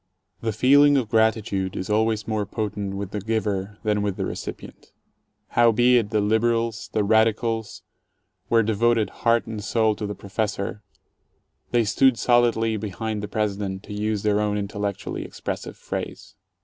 The feeling of gratitude is always more potent with the giver than with the recipient. Howbeit the "liberals", the "radicals", were devoted heart and soul to the professor, — they stood solidly behind the President, to use their own intellectually expressive phrase.